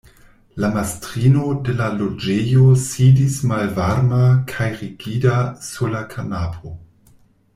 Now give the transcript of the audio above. La mastrino de la loĝejo sidis malvarma kaj rigida sur la kanapo.